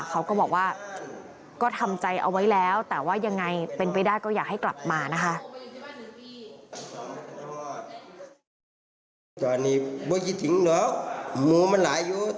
เขาก็บอกว่าก็ทำใจเอาไว้แล้วแต่ว่ายังไงเป็นไปได้ก็อยากให้กลับมานะคะ